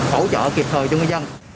hỗ trợ kịp thời cho ngư dân